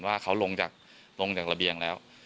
ว่าเจ้าลงจรวงสร้างกระเบียง